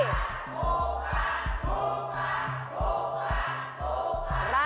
ฮูปลา